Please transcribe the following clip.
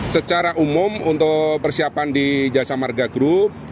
secara umum untuk persiapan di jasa marga group